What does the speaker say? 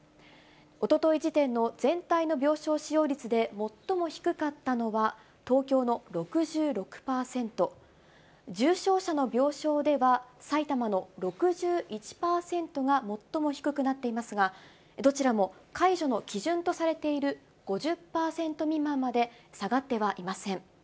おととい時点の全体の病床使用率で、最も低かったのは東京の６６％、重症者の病床では、埼玉の６１％が最も低くなっていますが、どちらも解除の基準とされている５０％未満まで下がってはいません。